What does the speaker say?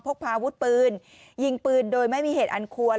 พกพาอาวุธปืนยิงปืนโดยไม่มีเหตุอันควร